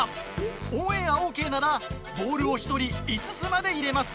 オンエアオーケーならボールを一人５つまで入れます。